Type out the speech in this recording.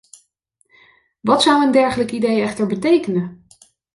Wat zou een dergelijk idee echter betekenen?